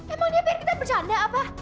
emang dia biar kita bercanda apa